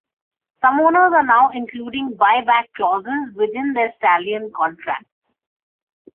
Some owners are now including buy-back clauses within their stallion contracts.